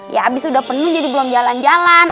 ya abis sudah penuh jadi belum jalan jalan